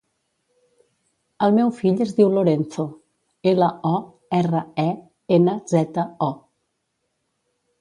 El meu fill es diu Lorenzo: ela, o, erra, e, ena, zeta, o.